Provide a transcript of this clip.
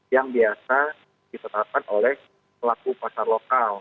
yang biasa ditetapkan oleh pelaku pasar lokal